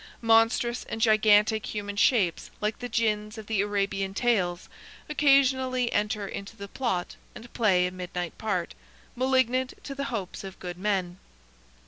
Monstrous and gigantic human shapes, like the Jinns of the Arabian tales, occasionally enter into the plot, and play a midnight part, malignant to the hopes of good men.